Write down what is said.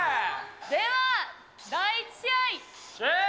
では、第１試合。